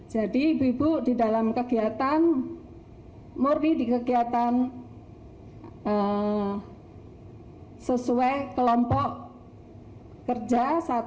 jadi ibu ibu di dalam kegiatan murni di kegiatan sesuai kelompok kerja satu dua tiga empat